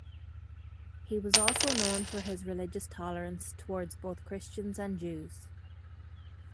He was also known for his religious tolerance, towards both Christians and Jews.